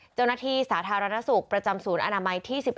เจ้าหน้าที่สาธารณสุขประจำศูนย์อนามัยที่๑๑